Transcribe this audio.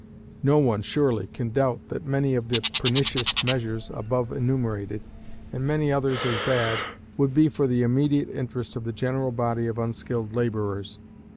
No one, surely, can doubt that many of the pernicious measures above enumerated, and many others as bad, would be for the immediate interest of the general body of unskilled laborers.